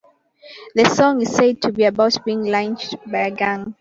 The song is said to be about being "lynched" by a gang.